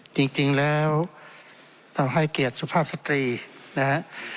จริงแล้วเราให้เกียรติสุภาพสตรีนะฮะ